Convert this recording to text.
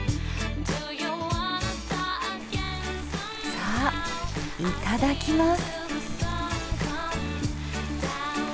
さあいただきます。